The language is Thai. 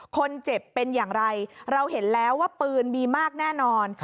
คนเจ็บเป็นอย่างไรเราเห็นแล้วว่าปืนมีมากแน่นอน